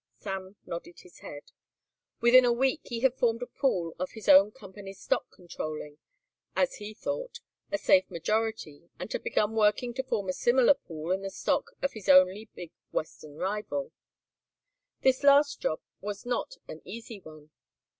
Sam nodded his head. Within a week he had formed a pool of his own company's stock controlling, as he thought, a safe majority and had begun working to form a similar pool in the stock of his only big western rival. This last job was not an easy one.